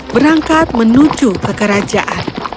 berangkat menuju ke kerajaan